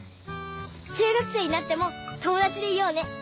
中学生になっても友だちでいようね。